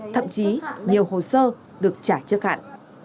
thậm chí nhiều hồ sơ được trả trước hạn